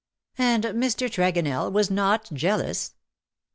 ''^' And Mr. Tregonell was not jealous